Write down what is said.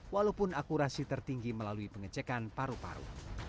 walaupun akurasi tertinggi melalui pengecekan paru paru